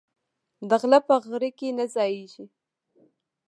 دغله په غره کی نه ځاييږي